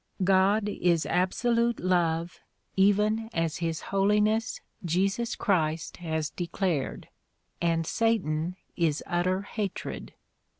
God is absolute love even as His Holiness Jesus Christ has declared, and satan is utter hatred.